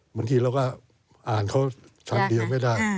บางทีเราก็อ่านเขาคำเดียวไม่ได้